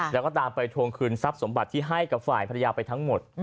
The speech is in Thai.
แล้วก็ตามไปทวงคืนทรัพย์สมบัติที่ให้กับฝ่ายภรรยาไปทั้งหมด